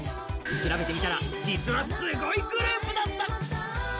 調べてみたら実はすごいグループだった！！